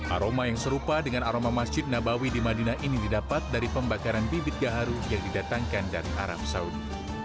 aroma yang serupa dengan aroma masjid nabawi di madinah ini didapat dari pembakaran bibit gaharu yang didatangkan dari arab saudi